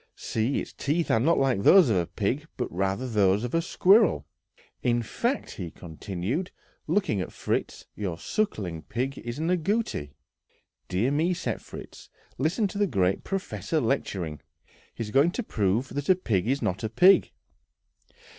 See, its teeth are not like those of a pig, but rather those of a squirrel. In fact," he continued, looking at Fritz, "your sucking pig is an agouti." "Dear me," said Fritz; "listen to the great professor lecturing! He is going to prove that a pig is not a pig!"